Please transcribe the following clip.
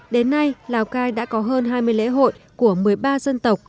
đến nay lào cai đã có hơn hai mươi lễ hội của một mươi ba dân tộc